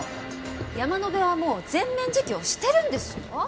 山野辺はもう全面自供してるんですよ？